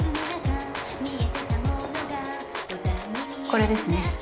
これですね。